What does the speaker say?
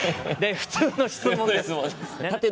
普通の質問です。